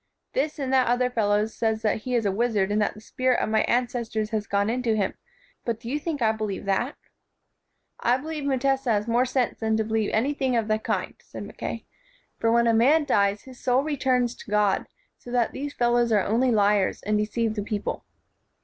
This and that other fellow says that he is a wizard and that the spirit of my ancestors has gone into him; but do you think I believe that?" "I believe Mutesa has more sense than to believe anything of the kind," said Mackay, "for when a man dies, his soul returns to 126 KING AND WIZARD God, so that these fellows are only liars, and deceive the people."